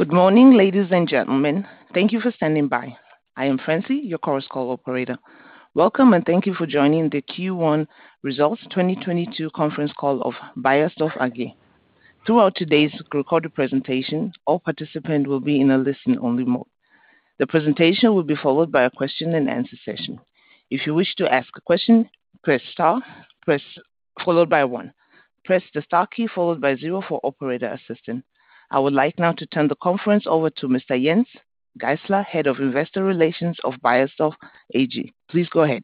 Good morning, ladies and gentlemen. Thank you for standing by. I am Francie, your correspond operator. Welcome, and thank you for joining the Q1 Results 2022 conference call of Beiersdorf AG. Throughout today's recorded presentation, all participants will be in a listen-only mode. The presentation will be followed by a question-and-answer session. If you wish to ask a question, press star followed by one. Press the star key followed by zero for operator assistance. I would like now to turn the conference over to Mr. Jens Geißler, Head of Investor Relations of Beiersdorf AG. Please go ahead.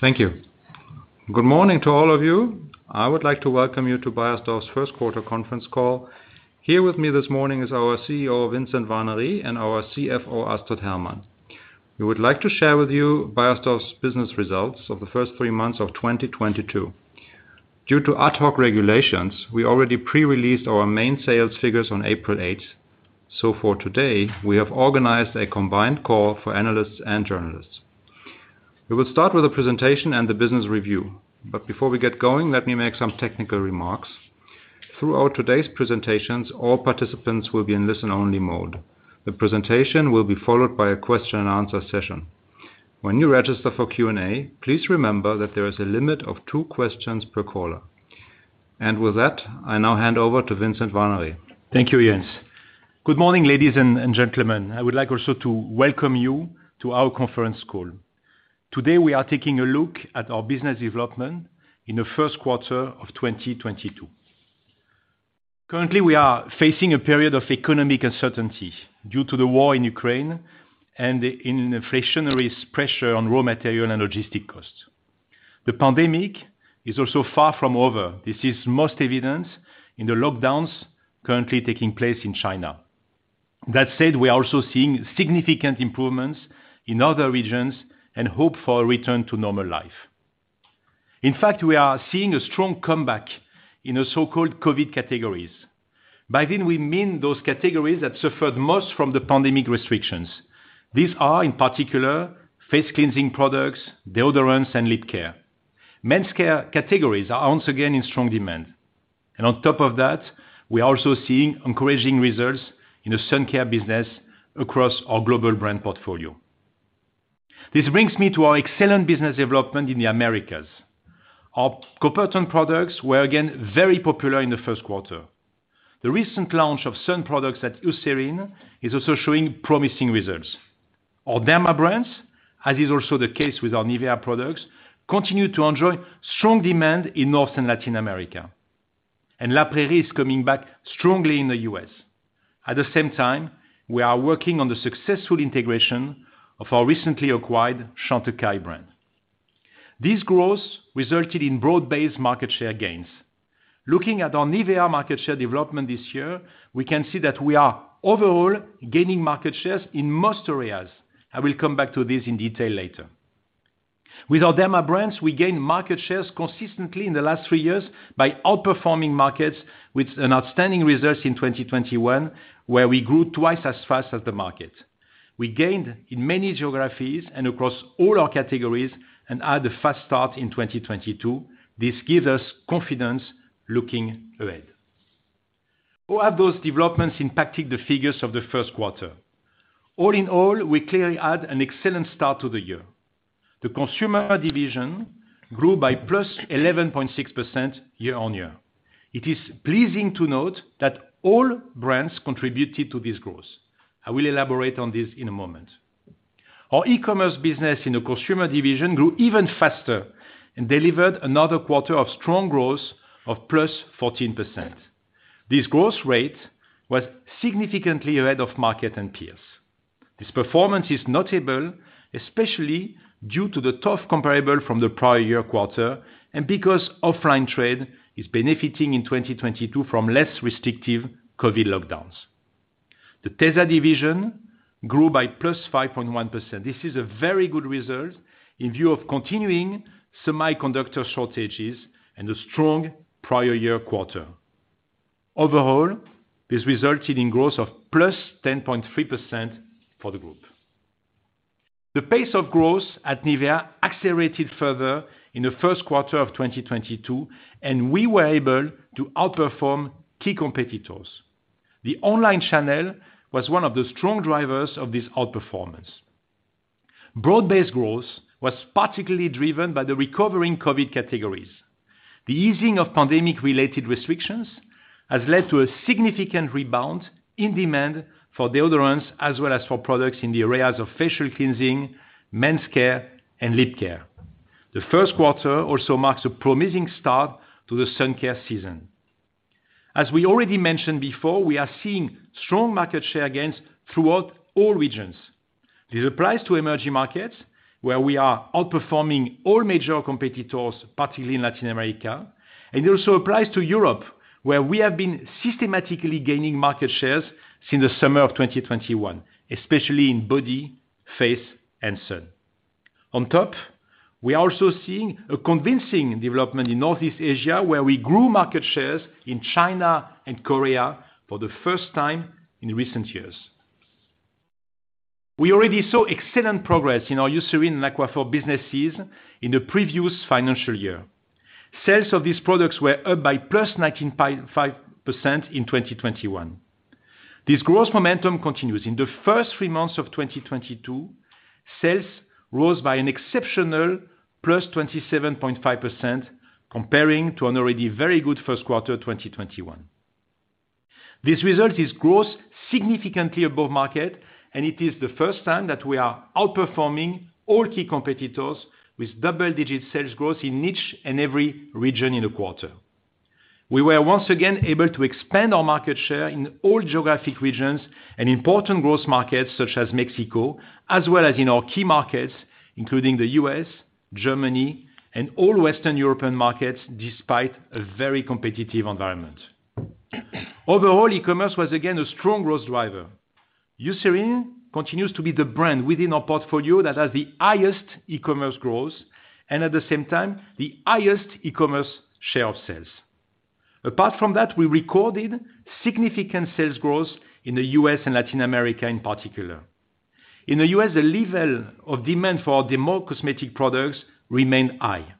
Thank you. Good morning to all of you. I would like to welcome you to Beiersdorf's Q1 conference call. Here with me this morning is our CEO, Vincent Warnery, and our CFO, Astrid Hermann. We would like to share with you Beiersdorf's business results of the first three months of 2022. Due to ad hoc regulations, we already pre-released our main sales figures on April 8. For today, we have organized a combined call for analysts and journalists. We will start with a presentation and the business review. Before we get going, let me make some technical remarks. Throughout today's presentations, all participants will be in listen-only mode. The presentation will be followed by a question-and-answer session. When you register for Q&A, please remember that there is a limit of two questions per caller. With that, I now hand over to Vincent Warnery. Thank you, Jens. Good morning, ladies and gentlemen. I would like also to welcome you to our conference call. Today, we are taking a look at our business development in the Q1 of 2022. Currently, we are facing a period of economic uncertainty due to the war in Ukraine and an inflationary pressure on raw material and logistic costs. The pandemic is also far from over. This is most evident in the lockdowns currently taking place in China. That said, we are also seeing significant improvements in other regions and hope for a return to normal life. In fact, we are seeing a strong comeback in the so-called COVID categories. By this, we mean those categories that suffered most from the pandemic restrictions. These are, in particular, face cleansing products, deodorants, and lip care. Men's care categories are once again in strong demand. On top of that, we are also seeing encouraging results in the sun care business across our global brand portfolio. This brings me to our excellent business development in the Americas. Our Coppertone products were again very popular in the Q1. The recent launch of sun products at Eucerin is also showing promising results. Our Derma brands, as is also the case with our NIVEA products, continue to enjoy strong demand in North and Latin America. La Prairie is coming back strongly in the U.S. At the same time, we are working on the successful integration of our recently acquired Chantecaille brand. This growth resulted in broad-based market share gains. Looking at our NIVEA market share development this year, we can see that we are overall gaining market shares in most areas. I will come back to this in detail later. With our Derma brands, we gained market shares consistently in the last 3 years by outperforming markets with an outstanding results in 2021, where we grew twice as fast as the market. We gained in many geographies and across all our categories and had a fast start in 2022. This gives us confidence looking ahead. How have those developments impacted the figures of the Q1? All in all, we clearly had an excellent start to the year. The consumer division grew by +11.6% year-on-year. It is pleasing to note that all brands contributed to this growth. I will elaborate on this in a moment. Our e-commerce business in the consumer division grew even faster and delivered another quarter of strong growth of +14%. This growth rate was significantly ahead of market and peers. This performance is notable, especially due to the tough comparable from the prior year quarter and because offline trade is benefiting in 2022 from less restrictive COVID lockdowns. The tesa division grew by +5.1%. This is a very good result in view of continuing semiconductor shortages and a strong prior year quarter. Overall, this resulted in growth of +10.3% for the group. The pace of growth at NIVEA accelerated further in the Q1 of 2022, and we were able to outperform key competitors. The online channel was one of the strong drivers of this outperformance. Broad-based growth was particularly driven by the recovering COVID categories. The easing of pandemic-related restrictions has led to a significant rebound in demand for deodorants as well as for products in the areas of facial cleansing, men's care, and lip care. The Q1 also marks a promising start to the sun care season. As we already mentioned before, we are seeing strong market share gains throughout all regions. This applies to emerging markets, where we are outperforming all major competitors, particularly in Latin America. It also applies to Europe, where we have been systematically gaining market shares since the summer of 2021, especially in body, face, and sun. On top, we are also seeing a convincing development in Northeast Asia, where we grew market shares in China and Korea for the first time in recent years. We already saw excellent progress in our Eucerin and Aquaphor businesses in the previous financial year. Sales of these products were up by +19.5% in 2021. This growth momentum continues. In the first three months of 2022, sales rose by an exceptional +27.5% comparing to an already very good Q1, 2021. This result is growth significantly above market, and it is the first time that we are outperforming all key competitors with double-digit sales growth in each and every region in the quarter. We were once again able to expand our market share in all geographic regions and important growth markets such as Mexico, as well as in our key markets, including the U.S., Germany, and all Western European markets, despite a very competitive environment. Overall, e-commerce was again a strong growth driver. Eucerin continues to be the brand within our portfolio that has the highest e-commerce growth and at the same time, the highest e-commerce share of sales. Apart from that, we recorded significant sales growth in the U.S. and Latin America in particular. In the U.S., the level of demand for our derma cosmetic products remain high.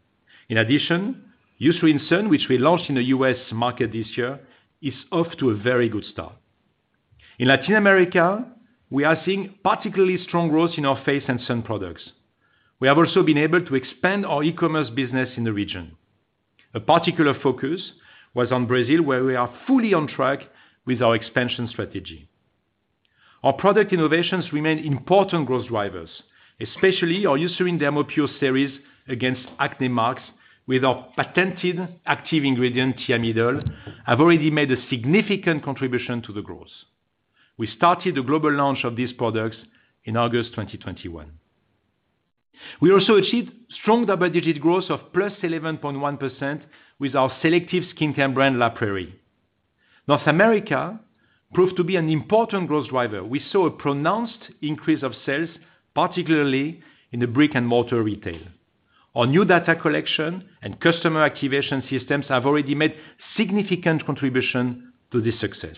In addition, Eucerin Sun, which we launched in the U.S. market this year, is off to a very good start. In Latin America. We are seeing particularly strong growth in our face and sun products. We have also been able to expand our e-commerce business in the region. A particular focus was on Brazil, where we are fully on track with our expansion strategy. Our product innovations remain important growth drivers, especially our Eucerin Dermopure series against acne marks with our patented active ingredient, Thiamidol, have already made a significant contribution to the growth. We started the global launch of these products in August 2021. We also achieved strong double-digit growth of +11.1% with our selective skincare brand, La Prairie. North America proved to be an important growth driver. We saw a pronounced increase of sales, particularly in the brick-and-mortar retail. Our new data collection and customer activation systems have already made significant contribution to this success.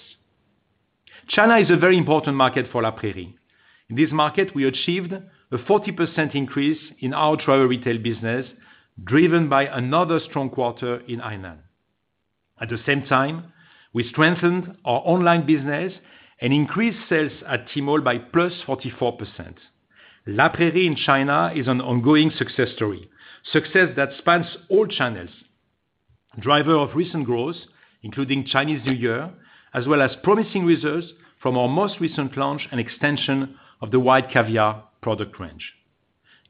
China is a very important market for La Prairie. In this market, we achieved a 40% increase in our travel retail business, driven by another strong quarter in Hainan. At the same time, we strengthened our online business and increased sales at Tmall by +44%. La Prairie in China is an ongoing success story, success that spans all channels. Driver of recent growth, including Chinese New Year, as well as promising results from our most recent launch and extension of the White Caviar product range.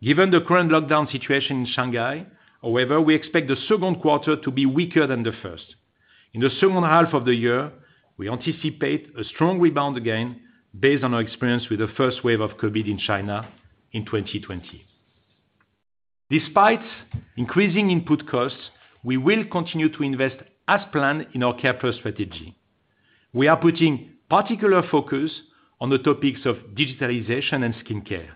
Given the current lockdown situation in Shanghai, however, we expect the Q2 to be weaker than the first. In the second half of the year, we anticipate a strong rebound again based on our experience with the first wave of COVID in China in 2020. Despite increasing input costs, we will continue to invest as planned in our CARE+ strategy. We are putting particular focus on the topics of digitalization and skincare.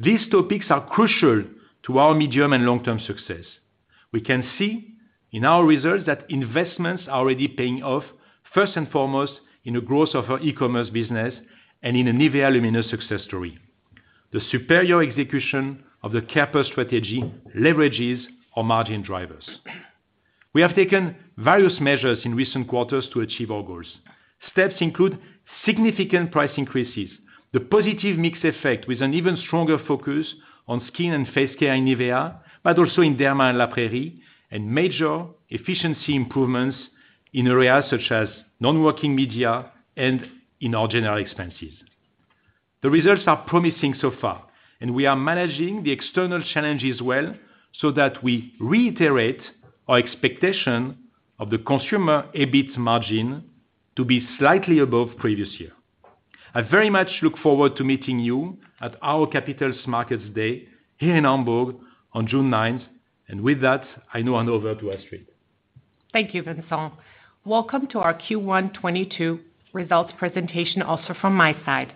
These topics are crucial to our medium and long-term success. We can see in our results that investments are already paying off, first and foremost in the growth of our e-commerce business and in the NIVEA Luminous630 success story. The superior execution of the CARE+ strategy leverages our margin drivers. We have taken various measures in recent quarters to achieve our goals. Steps include significant price increases, the positive mix effect with an even stronger focus on skin and face care in NIVEA, but also in Derma and La Prairie, and major efficiency improvements in areas such as non-working media and in our general expenses. The results are promising so far, and we are managing the external challenges well so that we reiterate our expectation of the consumer EBIT margin to be slightly above previous year. I very much look forward to meeting you at our Capital Markets Day here in Hamburg on June 9. With that, I now hand over to Astrid. Thank you, Vincent. Welcome to our Q1 2022 results presentation, also from my side.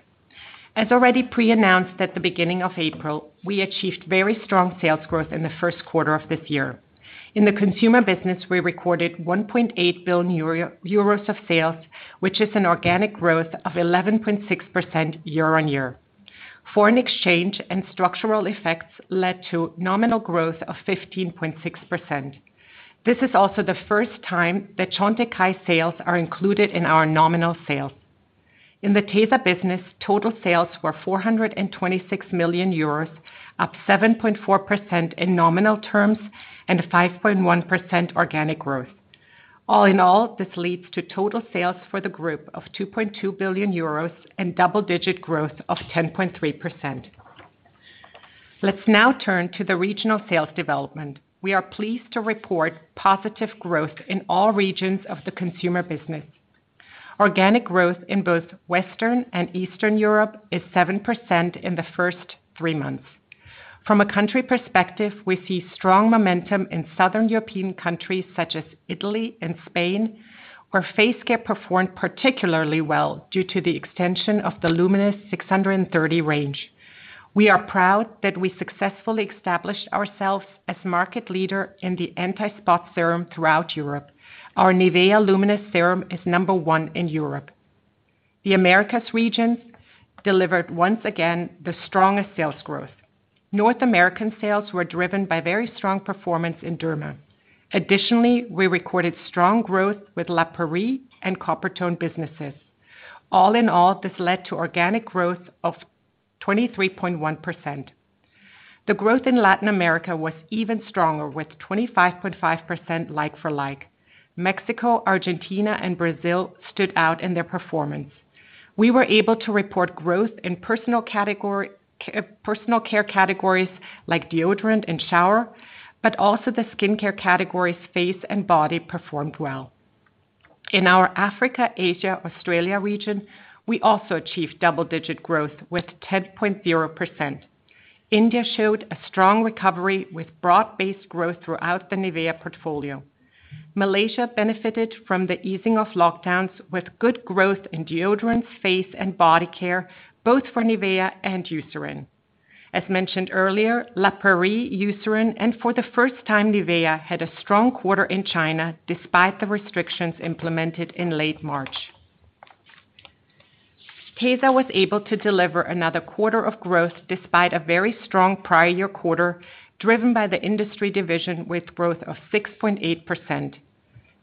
As already pre-announced at the beginning of April, we achieved very strong sales growth in the Q1 of this year. In the consumer business, we recorded 1.8 billion euros of sales, which is an organic growth of 11.6% year-on-year. Foreign exchange and structural effects led to nominal growth of 15.6%. This is also the first time that Chantecaille sales are included in our nominal sales. In the tesa business, total sales were 426 million euros, up 7.4% in nominal terms and 5.1% organic growth. All in all, this leads to total sales for the group of 2.2 billion euros and double-digit growth of 10.3%. Let's now turn to the regional sales development. We are pleased to report positive growth in all regions of the consumer business. Organic growth in both Western and Eastern Europe is 7% in the first three months. From a country perspective, we see strong momentum in southern European countries such as Italy and Spain, where face care performed particularly well due to the extension of the Luminous630 range. We are proud that we successfully established ourselves as market leader in the anti-spot serum throughout Europe. Our NIVEA Luminous630 serum is number one in Europe. The Americas region delivered once again the strongest sales growth. North American sales were driven by very strong performance in Derma. Additionally, we recorded strong growth with La Prairie and Coppertone businesses. All in all, this led to organic growth of 23.1%. The growth in Latin America was even stronger, with 25.5% like for like. Mexico, Argentina, and Brazil stood out in their performance. We were able to report growth in personal care categories like deodorant and shower, but also the skincare categories, face and body performed well. In our Africa, Asia, Australia region, we also achieved double-digit growth with 10.0%. India showed a strong recovery with broad-based growth throughout the NIVEA portfolio. Malaysia benefited from the easing of lockdowns with good growth in deodorants, face and body care, both for NIVEA and Eucerin. As mentioned earlier, La Prairie, Eucerin, and for the first time NIVEA had a strong quarter in China despite the restrictions implemented in late March. tesa was able to deliver another quarter of growth despite a very strong prior year quarter, driven by the industry division with growth of 6.8%.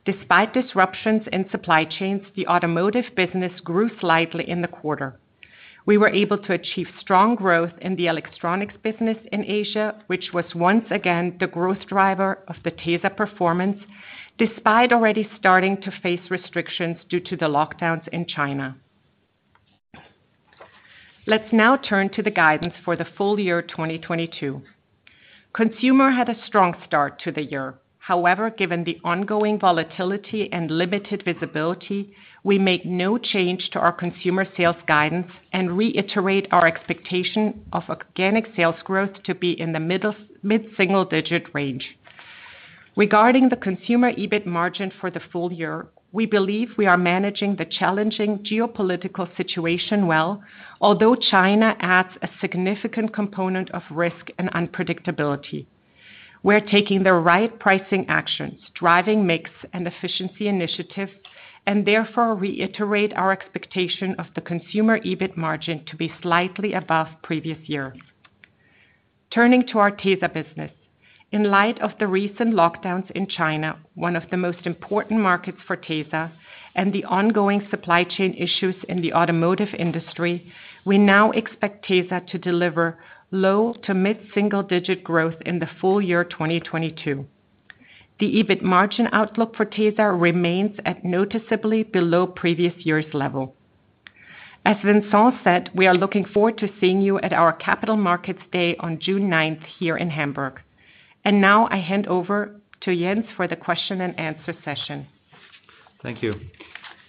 Despite disruptions in supply chains, the automotive business grew slightly in the quarter. We were able to achieve strong growth in the electronics business in Asia, which was once again the growth driver of the tesa performance, despite already starting to face restrictions due to the lockdowns in China. Let's now turn to the guidance for the full year 2022. Consumer had a strong start to the year. However, given the ongoing volatility and limited visibility, we make no change to our consumer sales guidance and reiterate our expectation of organic sales growth to be in the mid-single-digit range. Regarding the consumer EBIT margin for the full year, we believe we are managing the challenging geopolitical situation well, although China adds a significant component of risk and unpredictability. We're taking the right pricing actions, driving mix and efficiency initiatives, and therefore reiterate our expectation of the consumer EBIT margin to be slightly above previous years. Turning to our tesa business. In light of the recent lockdowns in China, one of the most important markets for tesa, and the ongoing supply chain issues in the automotive industry, we now expect tesa to deliver low to mid-single digit growth in the full year 2022. The EBIT margin outlook for tesa remains at noticeably below previous year's level. As Vincent said, we are looking forward to seeing you at our Capital Markets Day on June ninth, here in Hamburg. Now I hand over to Jens Geißler for the question and answer session. Thank you.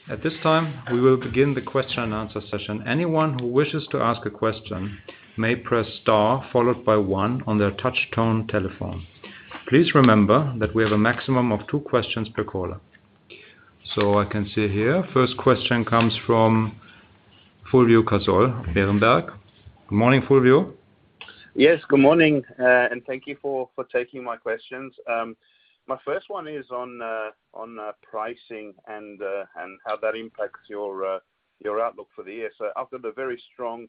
At this time, we will begin the question and answer session. Anyone who wishes to ask a question may press star followed by one on their touch tone telephone. Please remember that we have a maximum of two questions per caller. I can see here, first question comes from Fulvio Cazzol, Berenberg. Good morning, Fulvio. Yes, good morning, and thank you for taking my questions. My first one is on pricing and how that impacts your outlook for the year. After the very strong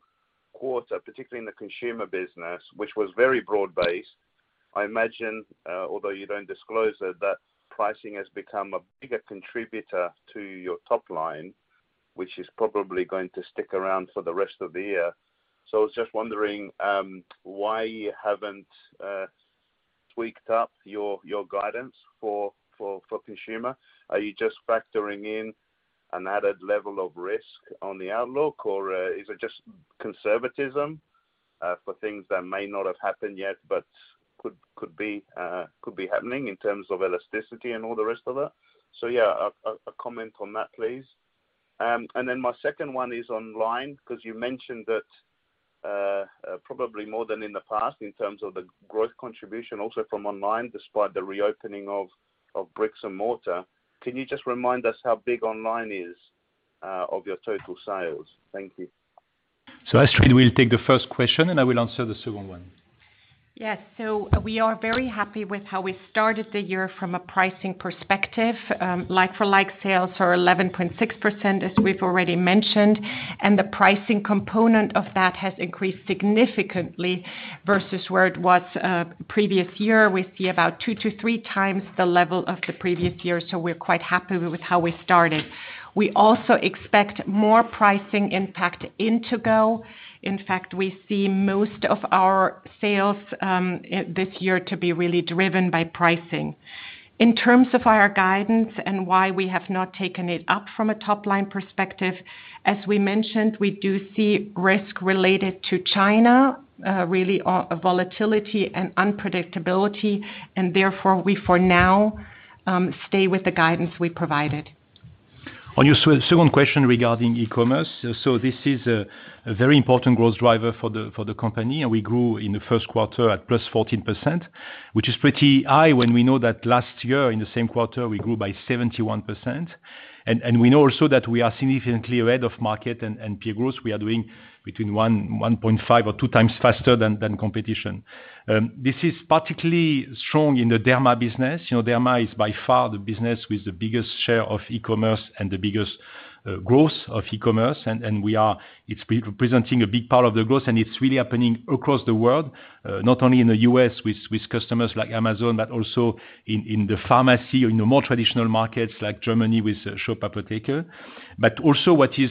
quarter, particularly in the consumer business, which was very broad-based, I imagine, although you don't disclose it, that pricing has become a bigger contributor to your top line, which is probably going to stick around for the rest of the year. I was just wondering why you haven't tweaked up your guidance for consumer. Are you just factoring in an added level of risk on the outlook, or is it just conservatism for things that may not have happened yet but could be happening in terms of elasticity and all the rest of that? Yeah, a comment on that, please. My second one is online, because you mentioned that, probably more than in the past in terms of the growth contribution also from online, despite the reopening of bricks and mortar. Can you just remind us how big online is of your total sales? Thank you. Astrid will take the first question and I will answer the second one. Yes. We are very happy with how we started the year from a pricing perspective. Like for like sales are 11.6%, as we've already mentioned, and the pricing component of that has increased significantly versus where it was previous year. We see about 2-3 times the level of the previous year. We're quite happy with how we started. We also expect more pricing impact in Tigo. In fact, we see most of our sales this year to be really driven by pricing. In terms of our guidance and why we have not taken it up from a top-line perspective, as we mentioned, we do see risk related to China, really, volatility and unpredictability, and therefore we for now, stay with the guidance we provided. On your second question regarding e-commerce. This is a very important growth driver for the company. We grew in the Q1 at +14%, which is pretty high when we know that last year in the same quarter, we grew by 71%. We know also that we are significantly ahead of market and peer growth. We are doing between one point five or two times faster than competition. This is particularly strong in the Derma business. You know, Derma is by far the business with the biggest share of e-commerce and the biggest growth of e-commerce. It represents a big part of the growth, and it's really happening across the world, not only in the US with customers like Amazon, but also in the pharmacy or in the more traditional markets like Germany with Shop Apotheke. What is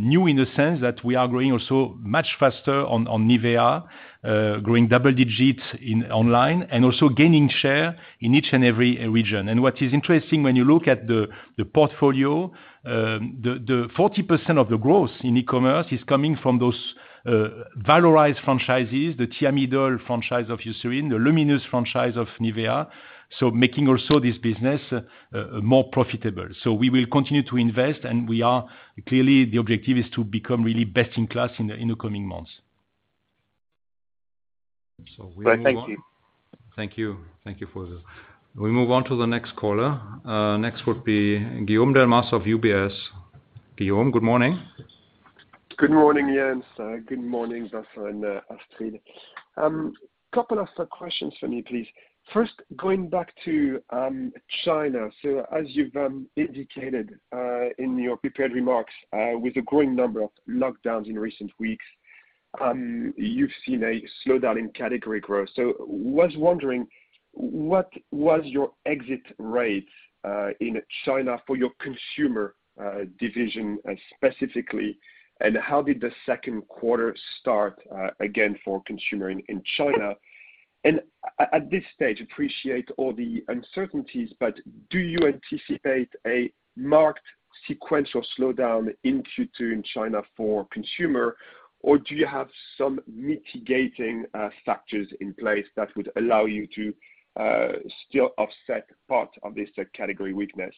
new in the sense that we are growing also much faster on NIVEA, growing double digits in online and also gaining share in each and every region. What is interesting when you look at the portfolio, the 40% of the growth in e-commerce is coming from those valorized franchises, the Thiamidol franchise of Eucerin, the Luminous franchise of NIVEA, so making also this business more profitable. We will continue to invest, and we are... Clearly, the objective is to become really best in class in the coming months. Right. Thank you. Thank you. Thank you for this. We move on to the next caller. Next would be Guillaume Delmas of UBS. Guillaume, good morning. Good morning, Jens. Good morning, Vincent, Astrid. Couple of questions from me, please. First, going back to China. As you've indicated in your prepared remarks, with the growing number of lockdowns in recent weeks, you've seen a slowdown in category growth. Was wondering, what was your exit rate in China for your consumer division specifically, and how did the Q2 start again for consumer in China? At this stage, appreciate all the uncertainties, but do you anticipate a marked sequential slowdown in Q2 in China for consumer, or do you have some mitigating structures in place that would allow you to still offset part of this category weakness?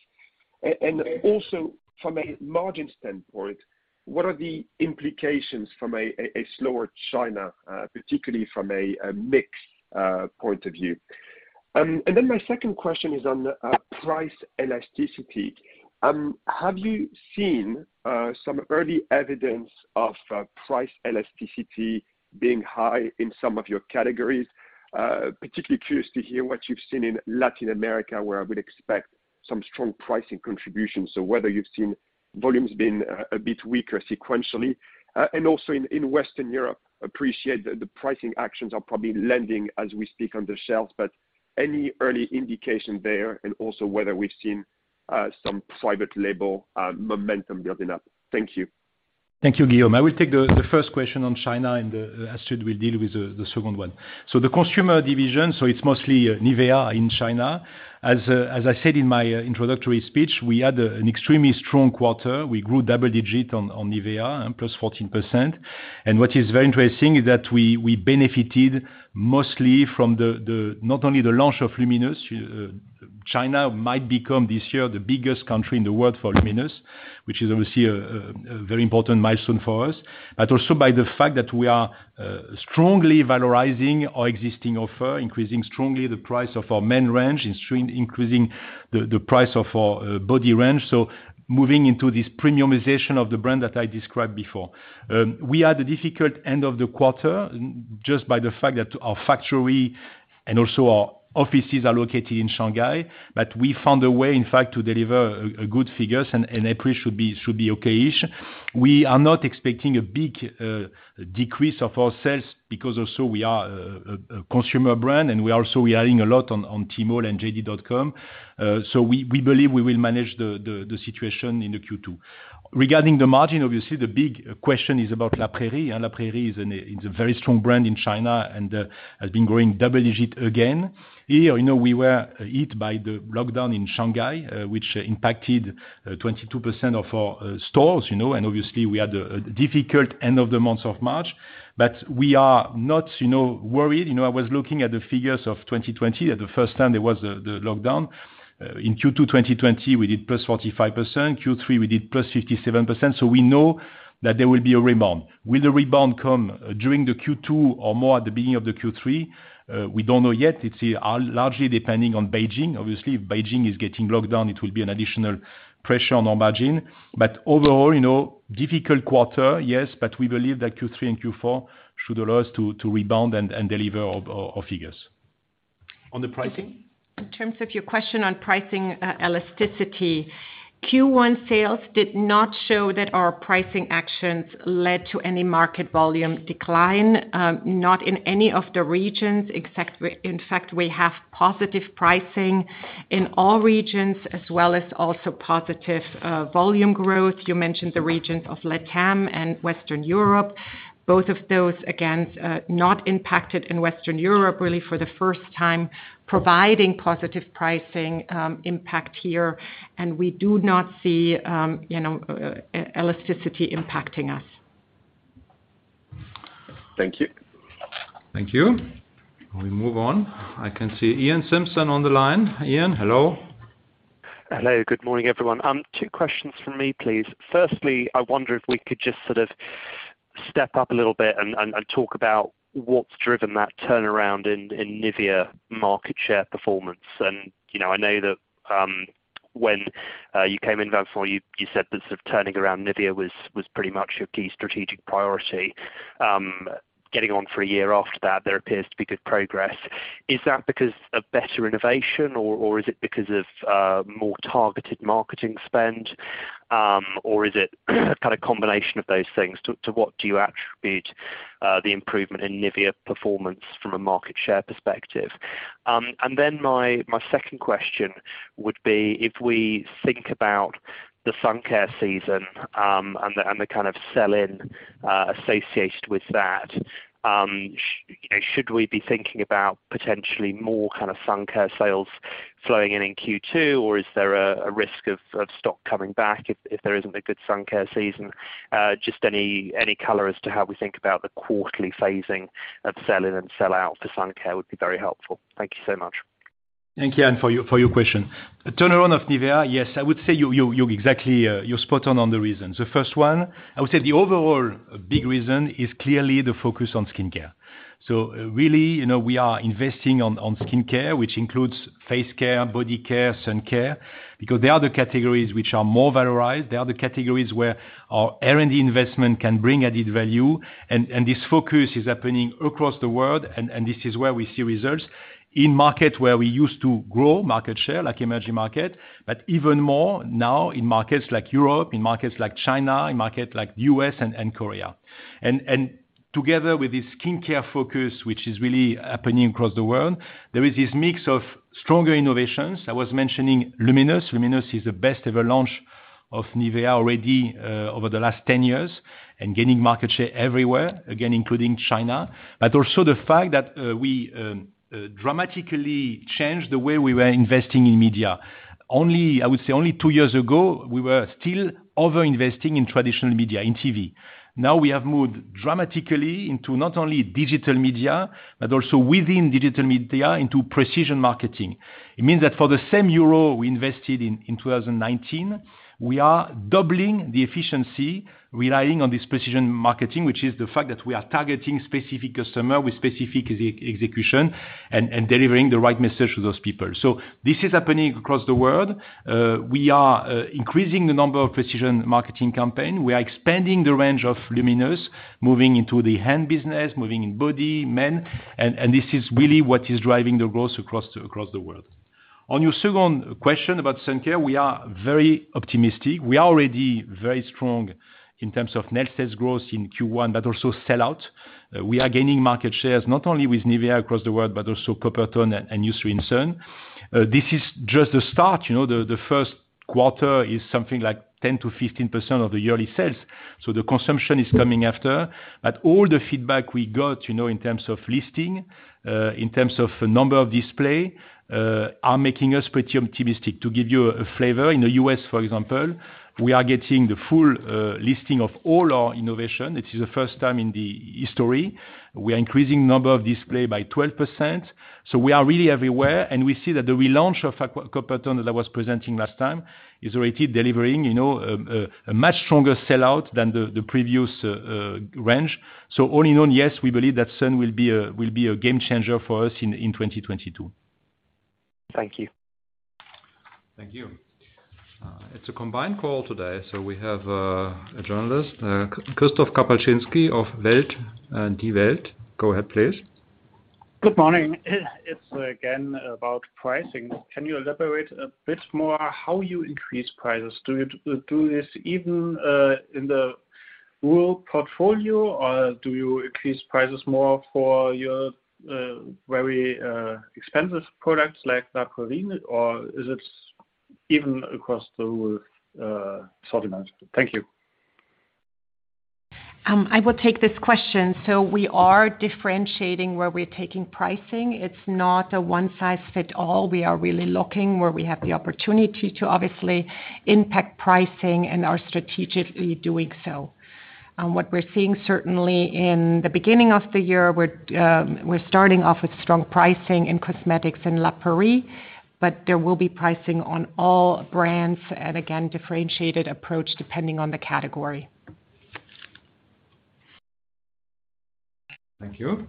From a margin standpoint, what are the implications from a slower China, particularly from a mix point of view? My second question is on price elasticity. Have you seen some early evidence of price elasticity being high in some of your categories? Particularly curious to hear what you've seen in Latin America where I would expect some strong pricing contributions. Whether you have seen volumes been a bit weaker sequentially, and also in Western Europe, appreciate the pricing actions are probably landing as we speak on the shelves, but any early indication there and also whether we've seen some private label momentum building up. Thank you. Thank you, Guillaume. I will take the first question on China, and Astrid will deal with the second one. The consumer division, it's mostly NIVEA in China. As I said in my introductory speech, we had an extremely strong quarter. We grew double-digit on NIVEA, 14%. What is very interesting is that we benefited mostly from not only the launch of Luminous, China might become this year the biggest country in the world for Luminous, which is obviously a very important milestone for us. But also by the fact that we are strongly valorizing our existing offer, increasing strongly the price of our main range, increasing the price of our body range. Moving into this premiumization of the brand that I described before. We had a difficult end of the quarter just by the fact that our factory and also our offices are located in Shanghai. We found a way, in fact, to deliver good figures, and April should be okay-ish. We are not expecting a big decrease of our sales because also we are a consumer brand, and we are adding a lot on Tmall and JD.com. So we believe we will manage the situation in the Q2. Regarding the margin, obviously the big question is about La Prairie. La Prairie is a very strong brand in China and has been growing double-digit again. Here, you know, we were hit by the lockdown in Shanghai, which impacted 22% of our stores, you know, and obviously we had a difficult end of the month of March. We are not, you know, worried. You know, I was looking at the figures of 2020 at the first time there was the lockdown. In Q2 2020, we did +45%. Q3, we did +57%. We know that there will be a rebound. Will the rebound come during the Q2 or more at the beginning of the Q3? We don't know yet. It's largely depending on Beijing. Obviously, if Beijing is getting locked down, it will be an additional pressure on our margin. Overall, you know, difficult quarter, yes, but we believe that Q3 and Q4 should allow us to rebound and deliver our figures. On the pricing? In terms of your question on pricing, elasticity, Q1 sales did not show that our pricing actions led to any market volume decline, not in any of the regions. In fact, we have positive pricing in all regions as well as also positive volume growth. You mentioned the regions of LATAM and Western Europe, both of those, again, not impacted in Western Europe, really for the first time, providing positive pricing, impact here. We do not see, you know, elasticity impacting us. Thank you. Thank you. We move on. I can see Iain Simpson on the line. Iain, hello. Hello. Good morning, everyone. Two questions from me, please. First, I wonder if we could just sort of step up a little bit and talk about what's driven that turnaround in NIVEA market share performance. You know, I know that when you came in before, you said that sort of turning around NIVEA was pretty much your key strategic priority. Getting on for a year after that, there appears to be good progress. Is that because of better innovation or is it because of more targeted marketing spend? Or is it kind of combination of those things? To what do you attribute the improvement in NIVEA performance from a market share perspective? My second question would be, if we think about the sun care season, and the kind of sell-in associated with that, should we be thinking about potentially more kind of sun care sales flowing in in Q2, or is there a risk of stock coming back if there isn't a good sun care season? Just any color as to how we think about the quarterly phasing of sell-in and sell-out for sun care would be very helpful. Thank you so much. Thank you, Ian, for your question. The turnaround of NIVEA, yes, I would say you're exactly spot on on the reasons. The first one, I would say the overall big reason is clearly the focus on skincare. So really, you know, we are investing on skincare, which includes face care, body care, sun care, because they are the categories which are more valorized. They are the categories where our R&D investment can bring added value. This focus is happening across the world, and this is where we see results in markets where we used to grow market share, like emerging markets, but even more now in markets like Europe, in markets like China, in markets like U.S. and Korea. Together with this skincare focus, which is really happening across the world, there is this mix of stronger innovations. I was mentioning Luminous630. Luminous630 is the best ever launch of NIVEA already over the last 10 years and gaining market share everywhere, again, including China. Also the fact that we dramatically changed the way we were investing in media. I would say only 2 years ago, we were still over-investing in traditional media, in TV. Now we have moved dramatically into not only digital media, but also within digital media into precision marketing. It means that for the same euro we invested in 2019, we are doubling the efficiency relying on this precision marketing, which is the fact that we are targeting specific customer with specific execution and delivering the right message to those people. This is happening across the world. We are increasing the number of precision marketing campaign. We are expanding the range of Luminous630, moving into the hand business, moving into body, men. This is really what is driving the growth across the world. On your second question about sun care, we are very optimistic. We are already very strong in terms of net sales growth in Q1, but also sell out. We are gaining market shares, not only with NIVEA across the world, but also Coppertone and Eucerin Sun. This is just the start. You know, the Q1 is something like 10%-15% of the yearly sales. The consumption is coming after. All the feedback we got, you know, in terms of listing, in terms of number of display, are making us pretty optimistic. To give you a flavor, in the US, for example, we are getting the full listing of all our innovation. This is the first time in the history. We are increasing number of display by 12%. We are really everywhere, and we see that the relaunch of Coppertone that I was presenting last time is already delivering a much stronger sell out than the previous range. All in all, yes, we believe that sun will be a game changer for us in 2022. Thank you. Thank you. It's a combined call today, so we have a journalist, Christoph Kapalschinski of Welt, Die Welt. Go ahead, please. Good morning. It's again about pricing. Can you elaborate a bit more how you increase prices? Do you do this even in the rural portfolio, or do you increase prices more for your very expensive products like La Prairie, or is it even across the whole assortment? Thank you. I will take this question. We are differentiating where we're taking pricing. It's not a one-size-fits-all. We are really looking where we have the opportunity to obviously impact pricing and are strategically doing so. What we are seeing certainly in the beginning of the year, we're starting off with strong pricing in cosmetics in La Prairie, but there will be pricing on all brands and again, differentiated approach depending on the category. Thank you.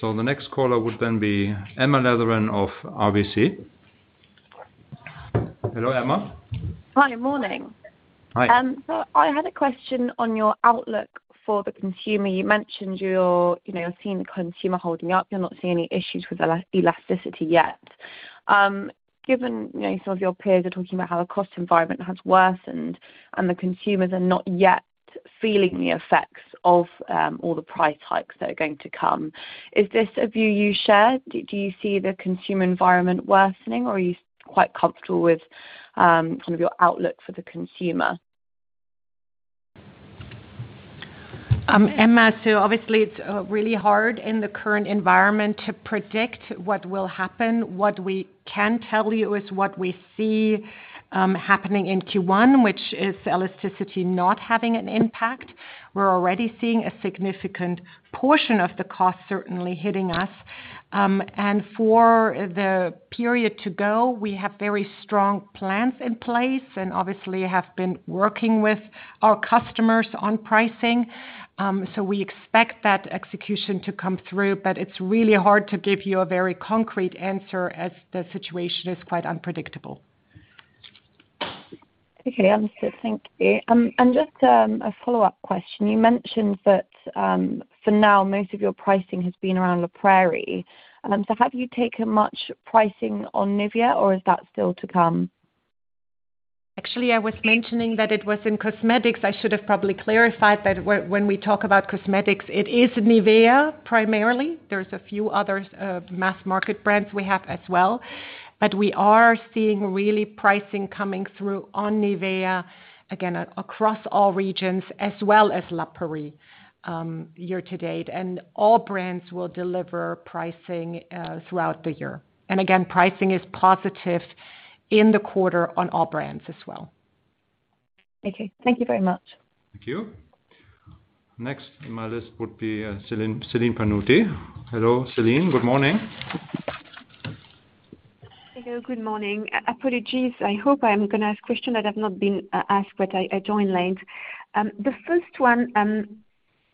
The next caller would then be Emma Letheren of RBC. Hello, Emma? Hi. Morning. Hi. I had a question on your outlook for the consumer. You mentioned you're, you know, you're seeing the consumer holding up. You're not seeing any issues with elasticity yet. Given, you know, some of your peers are talking about how the cost environment has worsened and the consumers are not yet feeling the effects of all the price hikes that are going to come, is this a view you share? Do you see the consumer environment worsening, or are you quite comfortable with sort of your outlook for the consumer? Emma, obviously it's really hard in the current environment to predict what will happen. What we can tell you is what we see happening in Q1, which is elasticity not having an impact. We are already seeing a significant portion of the cost certainly hitting us. For the period to go, we have very strong plans in place and obviously have been working with our customers on pricing. We expect that execution to come through, but it's really hard to give you a very concrete answer as the situation is quite unpredictable. Okay. Understood. Thank you. Just a follow-up question. You mentioned that, for now most of your pricing has been around La Prairie. Have you taken much pricing on NIVEA, or is that still to come? Actually, I was mentioning that it was in cosmetics. I should have probably clarified that when we talk about cosmetics, it is NIVEA primarily. There's a few other mass market brands we have as well. But we are seeing really pricing coming through on NIVEA, again, across all regions as well as La Prairie, year to date. All brands will deliver pricing throughout the year. Again, pricing is positive in the quarter on all brands as well. Okay. Thank you very much. Thank you. Next in my list would be Celine Pannuti. Hello, Celine. Good morning. Hello. Good morning. Apologies, I hope I'm gonna ask questions that have not been asked, but I joined late. The first one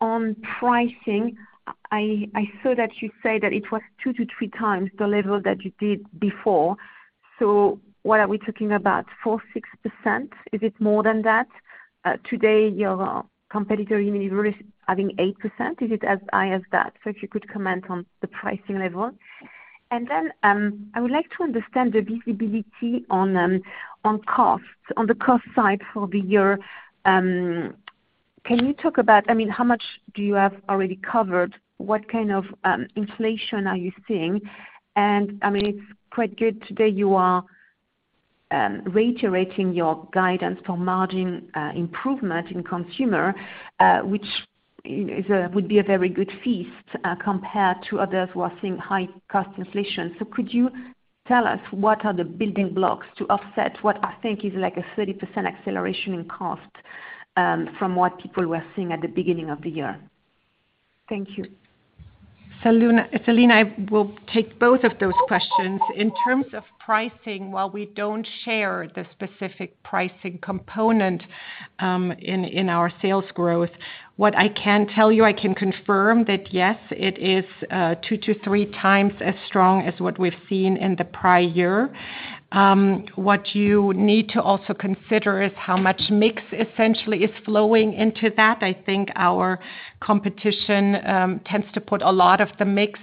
on pricing. I saw that you say that it was 2-3 times the level that you did before. So what are we talking about, 4-6%? Is it more than that? Today, your competitor Unilever is having 8%. Is it as high as that? So if you could comment on the pricing level. I would like to understand the visibility on costs, on the cost side for the year. Can you talk about, I mean, how much do you have already covered? What kind of inflation are you seeing? I mean, it's quite good today you are reiterating your guidance for margin improvement in consumer, which would be a very good feat compared to others who are seeing high cost inflation. Could you tell us what are the building blocks to offset what I think is like a 30% acceleration in cost from what people were seeing at the beginning of the year? Thank you. Celine Pannuti, I will take both of those questions. In terms of pricing, while we don't share the specific pricing component in our sales growth, what I can tell you, I can confirm that yes, it is 2-3 times as strong as what we've seen in the prior year. What you need to also consider is how much mix essentially is flowing into that. I think our competition tends to put a lot of the mix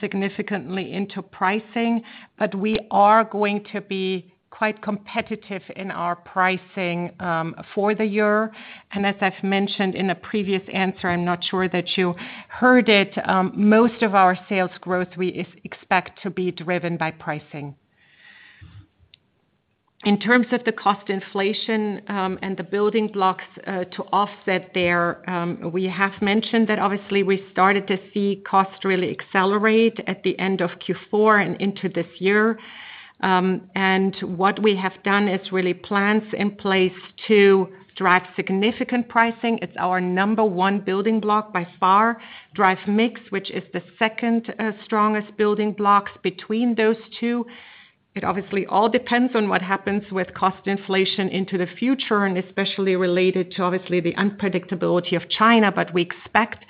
significantly into pricing. But we are going to be quite competitive in our pricing for the year. As I've mentioned in a previous answer, I'm not sure that you heard it, most of our sales growth we expect to be driven by pricing. In terms of the cost inflation and the building blocks to offset there, we have mentioned that obviously we started to see costs really accelerate at the end of Q4 and into this year. What we have done is really have plans in place to drive significant pricing. It's our number one building block by far. Drive mix, which is the second strongest building block between those two. It obviously all depends on what happens with cost inflation into the future, and especially related to obviously the unpredictability of China. We expect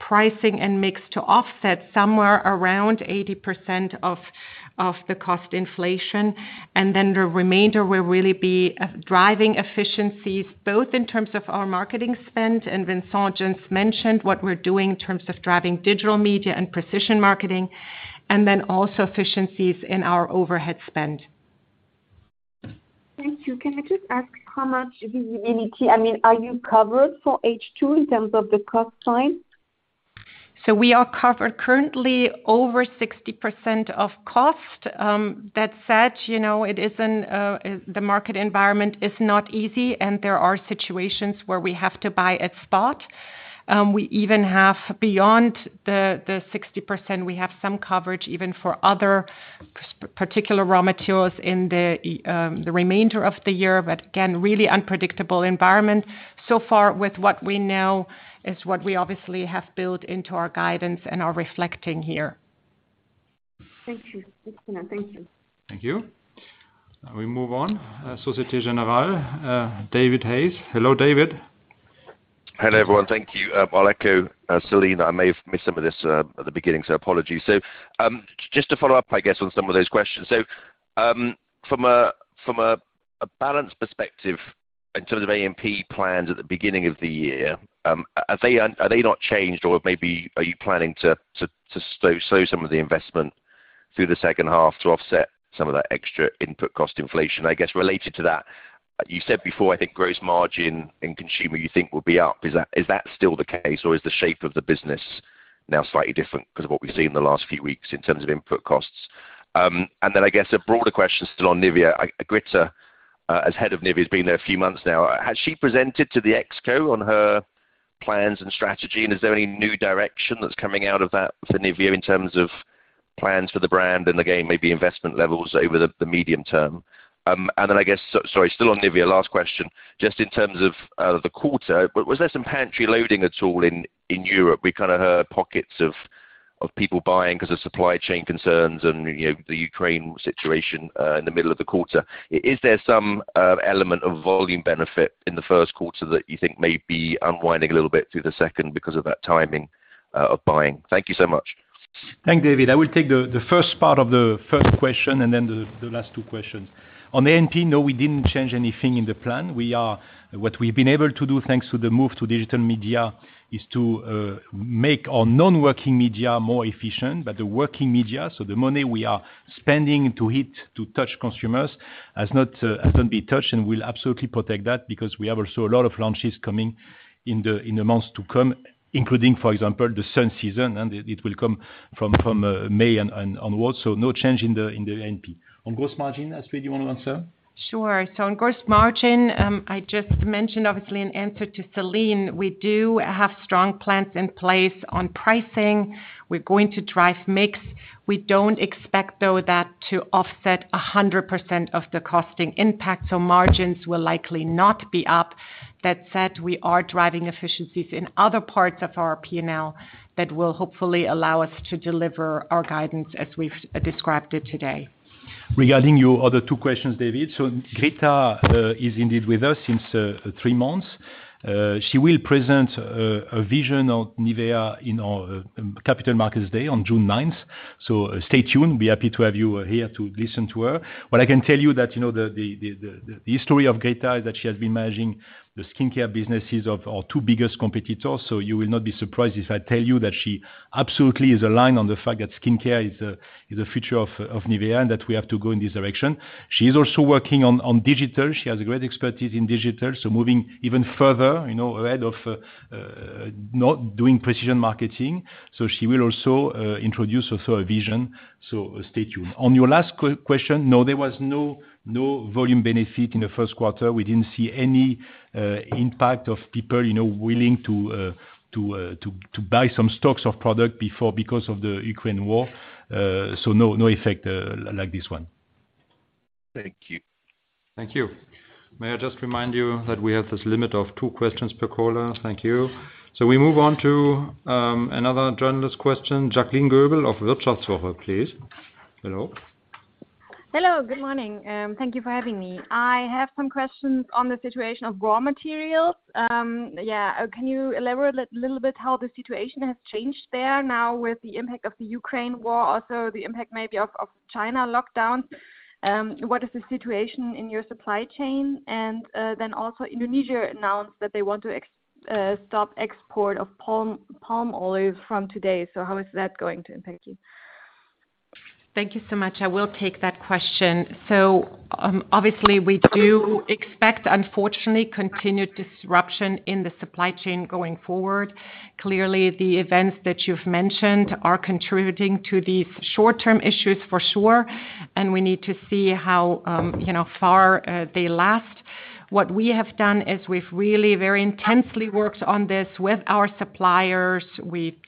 pricing and mix to offset somewhere around 80% of the cost inflation. The remainder will really be driving efficiencies, both in terms of our marketing spend, and Vincent just mentioned what we're doing in terms of driving digital media and precision marketing, and then also efficiencies in our overhead spend. Thank you. Can I just ask how much visibility, I mean, are you covered for H2 in terms of the cost side? We are covered currently over 60% of cost. That said, it isn't easy, the market environment is not easy, and there are situations where we have to buy at spot. We even have beyond the 60% some coverage even for other specific raw materials in the remainder of the year, but again, really unpredictable environment. So far with what we know is what we obviously have built into our guidance and are reflecting here. Thank you. Thank you. Thank you. We move on. Société Générale, David Hayes. Hello, David. Hello, everyone. Thank you. I'll echo Celine, I may have missed some of this at the beginning, so apologies. Just to follow up, I guess, on some of those questions. From a balance perspective in terms of A&P plans at the beginning of the year, are they not changed or maybe are you planning to slow some of the investment through the second half to offset some of that extra input cost inflation? I guess related to that, you said before, I think gross margin in consumer you think will be up. Is that still the case or is the shape of the business now slightly different because of what we've seen in the last few weeks in terms of input costs? I guess a broader question still on NIVEA. Grita, as head of NIVEA, has been there a few months now. Has she presented to the ExCo on her plans and strategy, and is there any new direction that's coming out of that for NIVEA in terms of plans for the brand and, again, maybe investment levels over the medium term? Sorry, still on NIVEA, last question. Just in terms of the quarter, but was there some pantry loading at all in Europe? We kinda heard pockets of people buying 'cause of supply chain concerns and, you know, the Ukraine situation in the middle of the quarter. Is there some element of volume benefit in the Q1 that you think may be unwinding a little bit through the second because of that timing of buying? Thank you so much. Thank you, David. I will take the first part of the first question and then the last two questions. On the NP, no, we didn't change anything in the plan. What we've been able to do, thanks to the move to digital media, is to make our non-working media more efficient. The working media, so the money we are spending to hit, to touch consumers, has not been touched and we'll absolutely protect that because we have also a lot of launches coming in the months to come including, for example, the sun season, and it will come from May onwards. No change in the NP. On gross margin, Astrid, you wanna answer? Sure. On gross margin, I just mentioned obviously in answer to Celine, we do have strong plans in place on pricing. We are going to drive mix. We don't expect, though, that to offset 100% of the costing impact, so margins will likely not be up. That said, we are driving efficiencies in other parts of our P&L that will hopefully allow us to deliver our guidance as we've described it today. Regarding your other two questions, David, so Gritta is indeed with us since three months. She will present her vision of NIVEA in our Capital Markets Day on June 9th. Stay tuned, be happy to have you here to listen to her. What I can tell you that, you know, the history of Gritta is that she has been managing the skincare businesses of our two biggest competitors. You will not be surprised if I tell you that she absolutely is aligned on the fact that skincare is the future of NIVEA, and that we have to go in this direction. She is also working on digital. She has a great expertise in digital, so moving even further, you know, ahead of not doing precision marketing. She will also introduce also a vision. Stay tuned. On your last question, no, there was no volume benefit in the Q1. We didn't see any impact of people, you know, willing to to buy some stocks of product before because of the Ukraine war. No effect like this one. Thank you. Thank you. May I just remind you that we have this limit of two questions per caller? Thank you. We move on to another journalist question. Jacqueline Goebel, please. Hello. Hello, good morning. Thank you for having me. I have some questions on the situation of raw materials. Can you elaborate a little bit how the situation has changed there now with the impact of the Ukraine war, also the impact maybe of China lockdown? What is the situation in your supply chain? Indonesia announced that they want to stop export of palm oil from today. How is that going to impact you? Thank you so much. I will take that question. Obviously we do expect, unfortunately, continued disruption in the supply chain going forward. Clearly, the events that you've mentioned are contributing to these short-term issues for sure, and we need to see how you know far they last. What we have done is we've really very intensely worked on this with our suppliers. We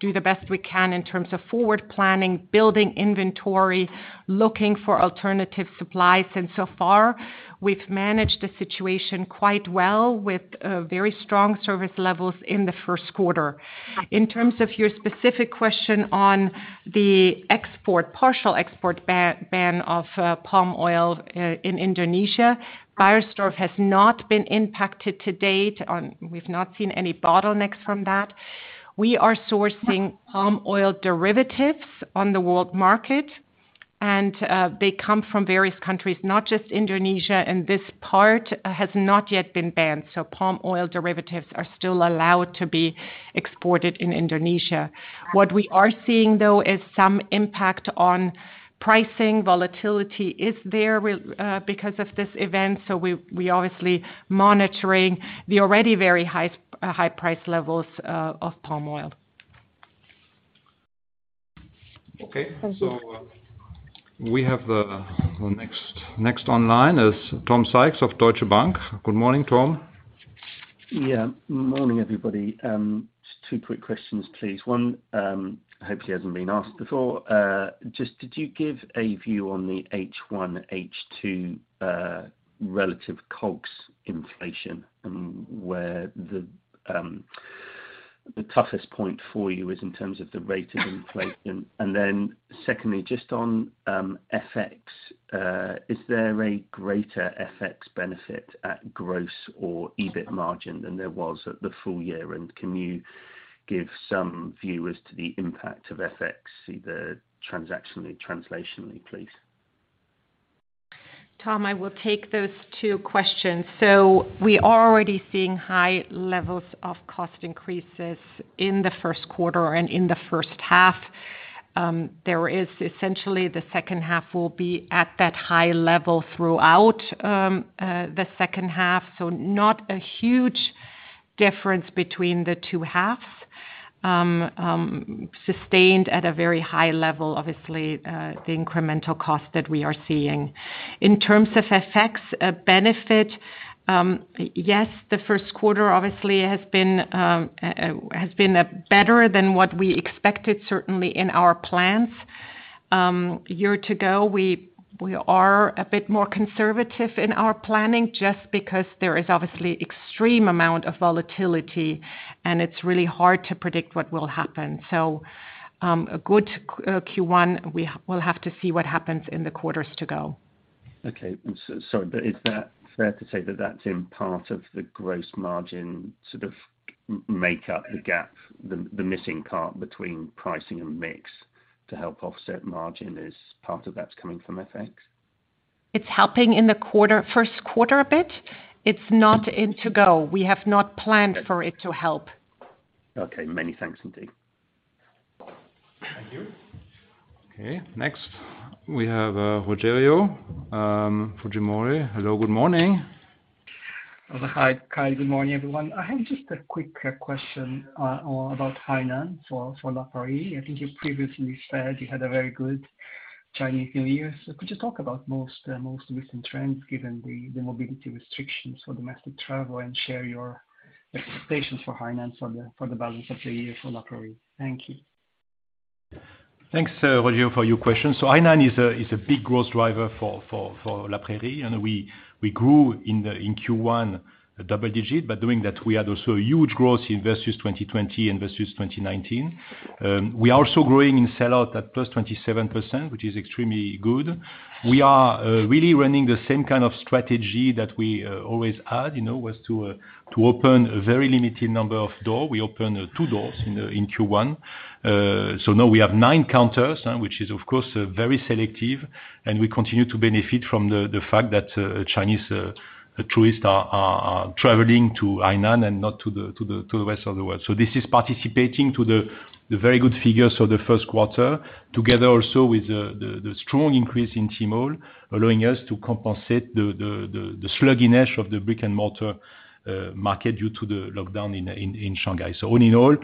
do the best we can in terms of forward planning, building inventory, looking for alternative supplies. We have managed the situation quite well with very strong service levels in the Q1. In terms of your specific question on the export, partial export ban of palm oil in Indonesia, Beiersdorf has not been impacted to date. We've not seen any bottlenecks from that. We are sourcing palm oil derivatives on the world market and they come from various countries, not just Indonesia, and this part has not yet been banned. Palm oil derivatives are still allowed to be exported in Indonesia. What we are seeing, though, is some impact on pricing. Volatility is there because of this event, so we obviously monitoring the already very high price levels of palm oil. Okay. We have the next online is Tom Sykes of Deutsche Bank. Good morning, Tom. Yeah. Morning, everybody. Just two quick questions, please. One, hopefully hasn't been asked before. Just did you give a view on the H1, H2, relative COGS inflation and where the toughest point for you is in terms of the rate of inflation? And then secondly, just on FX, is there a greater FX benefit at gross or EBIT margin than there was at the full year? And can you give some view as to the impact of FX, either transactionally, translationally, please? Tom, I will take those two questions. We are already seeing high levels of cost increases in the Q1 and in the first half. There is essentially the second half will be at that high level throughout the second half. Not a huge difference between the two halves. Sustained at a very high level, obviously, the incremental cost that we are seeing. In terms of FX benefit, yes, the Q1 obviously has been better than what we expected, certainly in our plans. Year to go, we are a bit more conservative in our planning just because there is obviously extreme amount of volatility, and it's really hard to predict what will happen. A good Q1, we'll have to see what happens in the quarters to go. Sorry. Is that fair to say that that's in part of the gross margin, sort of make up the gap, the missing part between pricing and mix to help offset margin is part of that's coming from FX? It's helping in the quarter, Q1 a bit. It's not in Tigo. We have not planned for it to help. Okay. Many thanks indeed. Thank you. Okay, next we have, Rogerio Fujimori. Hello, good morning. Hi. Hi, good morning, everyone. I have just a quick question about finance for La Prairie. I think you previously said you had a very good Chinese New Year. Could you talk about most recent trends given the mobility restrictions for domestic travel and share your expectations for finance for the balance of the year for La Prairie? Thank you. Thanks, Rogerio, for your question. Hainan is a big growth driver for La Prairie. We grew in Q1 double-digit, but doing that we had also huge growth versus 2020 and versus 2019. We are also growing in sellout at +27%, which is extremely good. We are really running the same kind of strategy that we always had, you know, was to open a very limited number of doors. We opened 2 doors in Q1. Now we have 9 counters, which is of course very selective, and we continue to benefit from the fact that Chinese tourists are traveling to Hainan and not to the rest of the world. This is participating to the very good figures for theQ1, together also with the strong increase in Tmall, allowing us to compensate the sluggishness of the brick and mortar market due to the lockdown in Shanghai. All in all,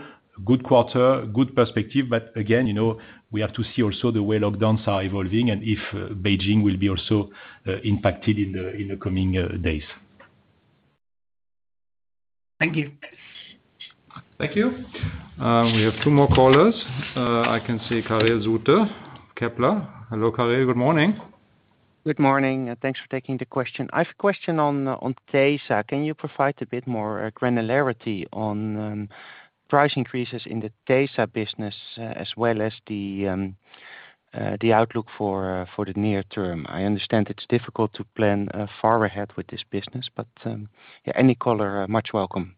good quarter, good perspective. Again, you know, we have to see also the way lockdowns are evolving and if Beijing will be also impacted in the coming days. Thank you. Thank you. We have two more callers. I can see Karel Zoete, Kepler. Hello, Karel. Good morning. Good morning, and thanks for taking the question. I have a question on tesa. Can you provide a bit more granularity on price increases in the tesa business as well as the outlook for the near term? I understand it's difficult to plan far ahead with this business, but yeah, any color much welcome.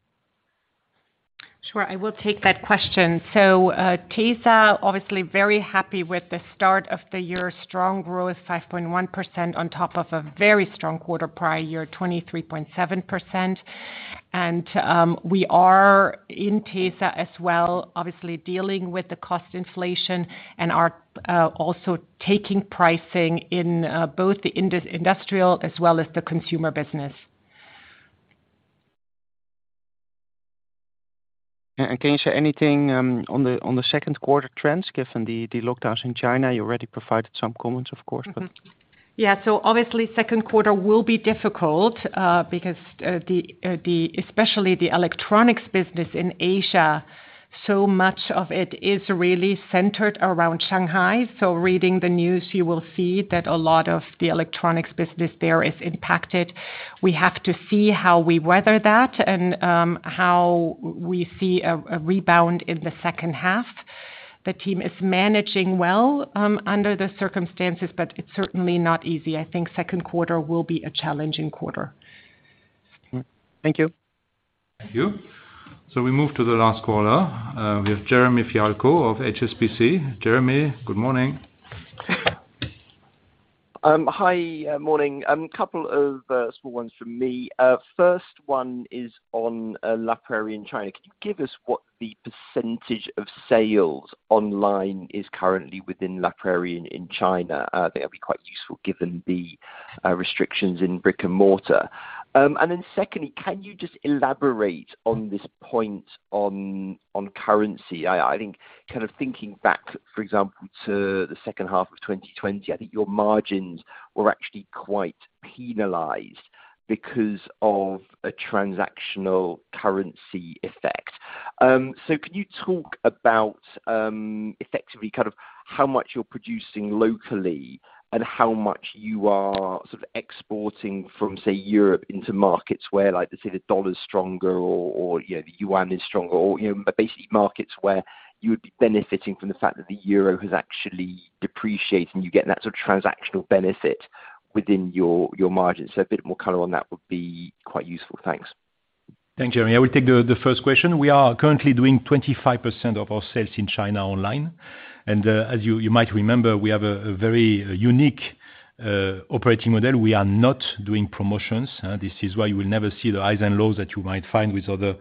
Sure. I will take that question. tesa, obviously very happy with the start of the year. Strong growth, 5.1% on top of a very strong quarter prior year, 23.7%. We are in tesa as well, obviously dealing with the cost inflation and are also taking pricing in both the industrial as well as the consumer business. Can you share anything on the Q2 trends given the lockdowns in China? You already provided some comments, of course, but. Obviously, Q2 will be difficult because the electronics business in Asia, especially, so much of it is really centered around Shanghai. Reading the news, you will see that a lot of the electronics business there is impacted. We have to see how we weather that and how we see a rebound in the second half. The team is managing well under the circumstances, but it's certainly not easy. I think Q2 will be a challenging quarter. Thank you. Thank you. We move to the last caller with Jeremy Fialko of HSBC. Jeremy, good morning. Hi. Morning. Couple of small ones from me. First one is on La Prairie in China. Can you give us what the percentage of sales online is currently within La Prairie in China? That'd be quite useful given the restrictions in brick and mortar. And then secondly, can you just elaborate on this point on currency? I think kind of thinking back, for example, to the second half of 2020, I think your margins were actually quite penalized because of a transactional currency effect. Can you talk about effectively kind of how much you're producing locally and how much you are sort of exporting from, say, Europe into markets where like, let's say the dollar's stronger or you know, the yuan is stronger or, you know, basically markets where you would be benefiting from the fact that the euro has actually depreciated and you're getting that sort of transactional benefit within your margins? A bit more color on that would be quite useful. Thanks. Thanks, Jeremy. I will take the first question. We are currently doing 25% of our sales in China online. As you might remember, we have a very unique operating model. We are not doing promotions. This is why you will never see the highs and lows that you might find with other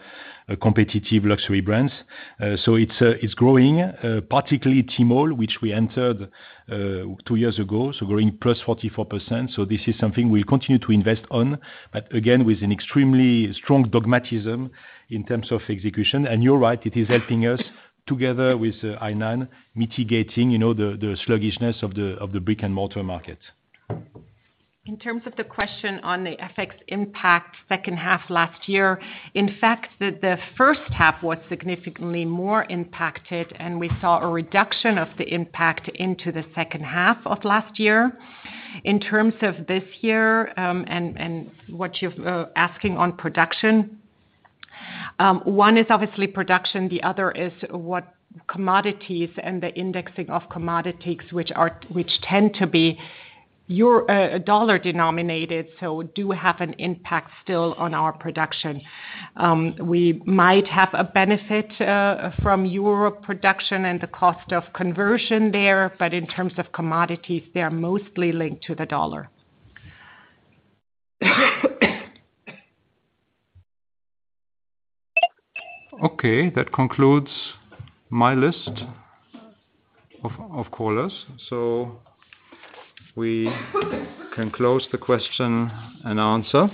competitive luxury brands. It's growing, particularly Tmall, which we entered two years ago, so growing +44%. This is something we'll continue to invest on, but again, with an extremely strong discipline in terms of execution. You're right, it is helping us together with Hainan mitigating, you know, the sluggishness of the brick and mortar market. In terms of the question on the FX impact second half last year, in fact, the first half was significantly more impacted and we saw a reduction of the impact into the second half of last year. In terms of this year, what you're asking on production, one is obviously production, the other is what commodities and the indexing of commodities which tend to be euro-dollar denominated, so do have an impact still on our production. We might have a benefit from Europe production and the cost of conversion there, but in terms of commodities, they are mostly linked to the dollar. Okay. That concludes my list of callers. We can close the question and answer.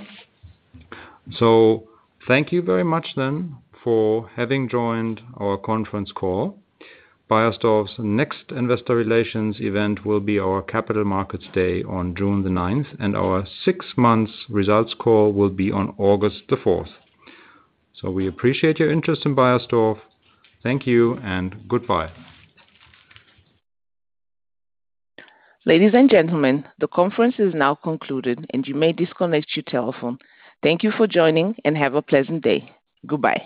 Thank you very much then for having joined our conference call. Beiersdorf's next investor relations event will be our Capital Markets Day on June the ninth, and our six months results call will be on August the fourth. We appreciate your interest in Beiersdorf. Thank you and goodbye. Ladies and gentlemen, the conference is now concluded and you may disconnect your telephone. Thank you for joining, and have a pleasant day. Goodbye.